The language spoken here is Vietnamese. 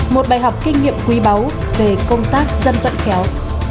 một bài học kinh nghiệm quý báu về công tác dân vận khéo